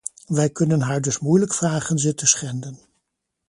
Wij kunnen haar dus moeilijk vragen ze te schenden.